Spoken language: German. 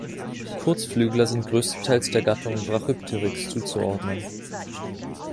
Kurzflügler sind größtenteils der Gattung „Brachypteryx“ zuzuordnen.